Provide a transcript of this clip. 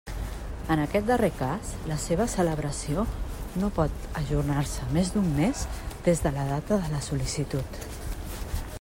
En aquest darrer cas, la seva celebració no pot ajornar-se més d'un mes des de la data de la sol·licitud.